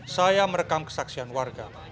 saya merekam kesaksian warga